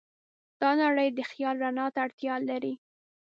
دا نړۍ د خیال رڼا ته اړتیا لري.